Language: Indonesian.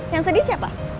yang sedih siapa